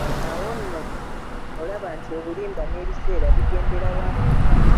Awo nno olaba nti obulimba n'ebiseera bigendera wamu.